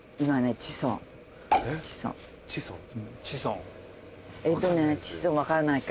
チソン分からないか。